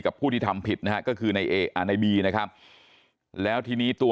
ผู้ที่ทำผิดนะฮะก็คือในบีนะครับแล้วทีนี้ตัว